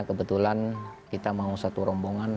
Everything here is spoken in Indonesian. kebetulan kita mau satu rombongan